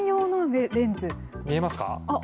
見えますか。